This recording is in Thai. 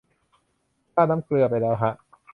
ราดน้ำเกลือไปแล้วฮะ